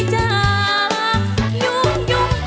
มาฟังอินโทรเพลงที่๑๐